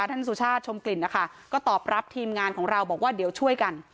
สุชาติชมกลิ่นนะคะก็ตอบรับทีมงานของเราบอกว่าเดี๋ยวช่วยกัน